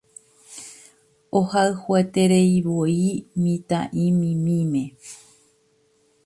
Ohayhuetereivoi mitã'imimíme.